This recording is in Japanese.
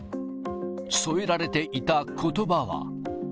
添えられていたことばは。